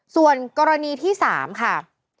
ส่วนกรณีที่๓ค่ะ